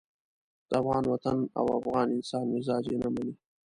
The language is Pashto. د افغان وطن او افغان انسان مزاج یې نه مني.